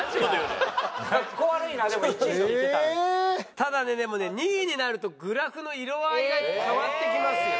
ただねでもね２位になるとグラフの色合いが変わってきますよ。